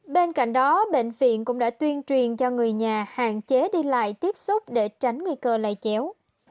bên cạnh đó bệnh viện cũng đã tuyên truyền cho người nhà hạn chế đi lại tiếp xúc để tránh nguy cơ lây chéo